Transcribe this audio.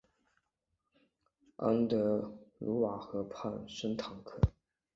安德鲁瓦河畔圣康坦。